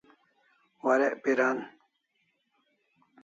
Warek piran